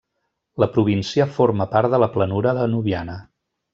La província forma part de la Planura Danubiana.